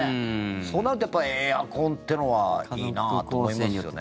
そうなると、やっぱりエアコンってのはいいなと思いますよね。